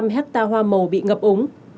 hai mươi năm hectare hoa màu bị ngập ống